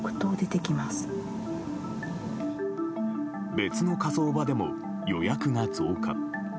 別の火葬場でも予約が増加。